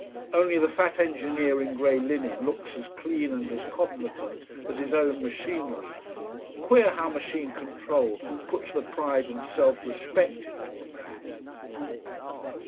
Only the fat engineer in grey linen looks as clean and as competent as his own machinery. Queer how machine control puts the pride and self respect into a man.